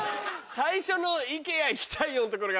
最初のＩＫＥＡ行きたいよのところが。